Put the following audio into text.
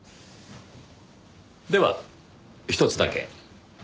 ではひとつだけ。